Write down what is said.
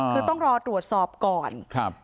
คือต้องรอตรวจสอบก่อน